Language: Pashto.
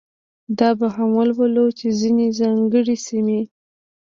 دا به هم ولولو چې ځینې ځانګړې سیمې.